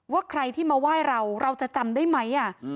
ว่าใครที่มาไหว้เราเราจะจำได้ไหม